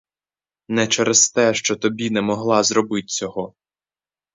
Не через те, що тобі не могла зробить цього.